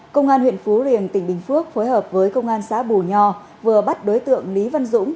công an huyện phú riềng tỉnh bình phước phối hợp với công an xã bù nho vừa bắt đối tượng lý văn dũng